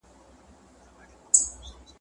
نه په داد به څوك رسېږي د خوارانو ,